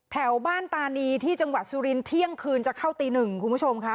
แถวบ้านตานีที่จังหวัดสุรินเที่ยงคืนจะเข้าตีหนึ่งคุณผู้ชมค่ะ